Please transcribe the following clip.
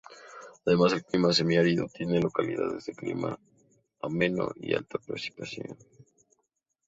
Además del clima semi-árido, tiene localidades de clima ameno y alta precipitación.